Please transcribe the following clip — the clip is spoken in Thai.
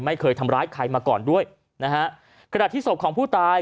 ไม่เคยทำร้ายใครมาก่อนด้วยนะฮะขณะที่ศพของผู้ตาย